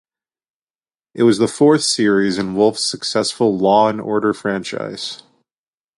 It was the fourth series in Wolf's successful "Law and Order" franchise.